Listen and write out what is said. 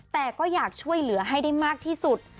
แต่ก็อยากช่วยเหลือให้ได้มากที่สุด